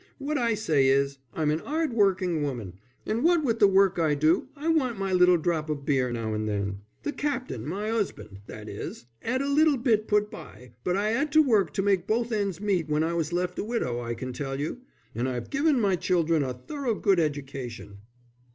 "What I say is, I'm an 'ard working woman, and what with the work I do, I want my little drop of beer now and then. The Captain my 'usband, that is 'ad a little bit put by, but I 'ad to work to make both ends meet when I was left a widow, I can tell you. And I've given my children a thorough good education."